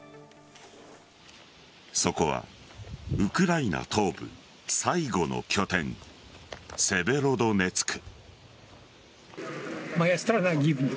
そこはウクライナ東部、最後の拠点セベロドネツク。